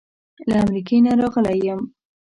له امریکې نه راغلی یم.